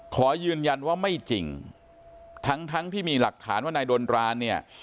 ขอยืนยันว่าไม่จริงทั้งทั้งที่มีหลักฐานว่านายดนรานเนี่ย